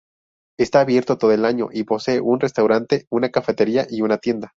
Está abierto todo el año y posee un restaurante, una cafetería y una tienda.